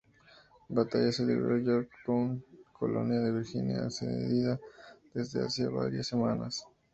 La batalla se libró en Yorktown, colonia de Virginia, asediada desde hacía varias semanas.